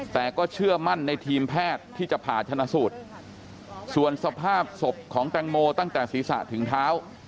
แต่ก็เชื่อมั่นในทีมแพทย์ที่จะผ่าชนะสูตรส่วนสภาพศพของแตงโมตั้งแต่ศีรษะถึงเท้า